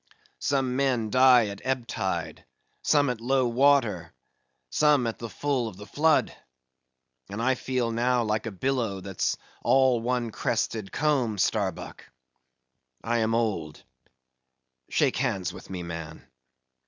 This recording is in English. "Some men die at ebb tide; some at low water; some at the full of the flood;—and I feel now like a billow that's all one crested comb, Starbuck. I am old;—shake hands with me, man."